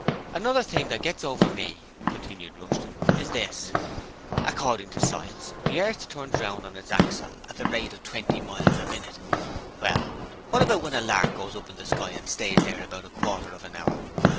'Another thing that gets over me,' continued Rushton, 'is this: according to science, the earth turns round on its axle at the rate of twenty miles a minit. Well, what about when a lark goes up in the sky and stays there about a quarter of an hour?